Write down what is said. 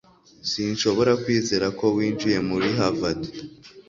Sinshobora kwizera ko winjiye muri Harvard